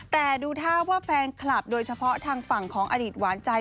แต่ดูท่าว่าแฟนคลับโดยเฉพาะทางฝั่งของอดีตหวานใจ